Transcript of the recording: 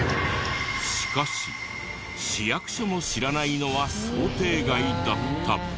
しかし市役所も知らないのは想定外だった！